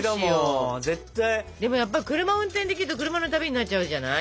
でもやっぱり車運転できると車の旅になっちゃうじゃない？